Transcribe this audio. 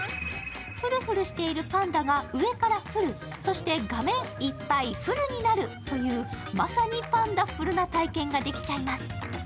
ふるふるしているパンダが上から降る、そして画面いっぱいフルになるという、まさにパンダフルな体験ができちゃいます。